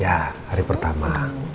ya hari pertama